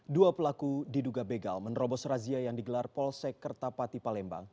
dua pelaku diduga begal menerobos razia yang digelar polsek kertapati palembang